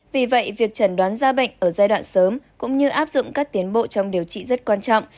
vì vậy việc trần đoán da bệnh ở giai đoạn sớm cũng như áp dụng các tiến bộ trong điều trị rất quan trọng